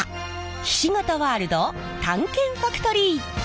ひし形ワールドを探検ファクトリー！